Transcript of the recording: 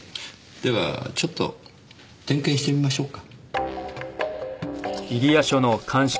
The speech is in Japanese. ではちょっと点検してみましょうか。